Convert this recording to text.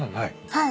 はい。